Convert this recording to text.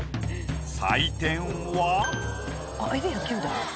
採点は。